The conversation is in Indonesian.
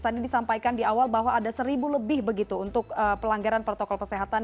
tadi disampaikan di awal bahwa ada seribu lebih begitu untuk pelanggaran protokol kesehatan